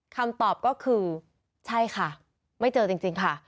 คำตอบก็คือใช่ค่ะไม่เจอจริงค่ะ